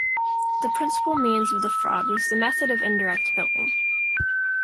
The principal means of the fraud was the method of indirect billing.